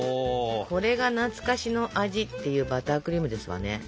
これが懐かしの味っていうバタークリームですわね。